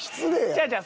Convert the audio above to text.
違う違う。